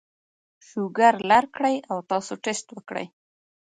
شوګر لر کړي او تاسو ټېسټ وکړئ